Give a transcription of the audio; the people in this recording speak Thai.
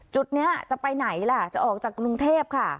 จุดนี้จะไปไหนล่ะจะออกจากกรุงเทพค่ะ